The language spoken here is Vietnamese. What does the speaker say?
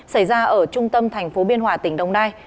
xảy ra ở trung tâm thành phố biên hòa tỉnh đồng nai